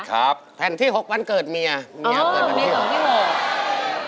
ครับแผ่นที่๖วันเกิดเมียมียาเกิดวันเกิดวันเกิด